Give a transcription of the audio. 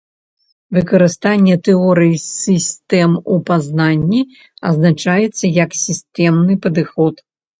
Выкарыстанне тэорыі сістэм у пазнанні азначаецца як сістэмны падыход.